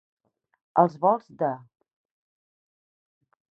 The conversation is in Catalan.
Als volts de.